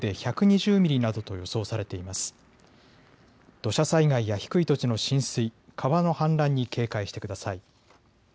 土砂災害や低い土地の浸水、川の氾濫に警戒してください。